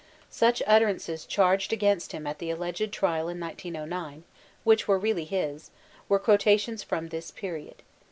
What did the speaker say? Such utterances charged against him at the alleged trial in 1909, which were really his, were quotations from thb period.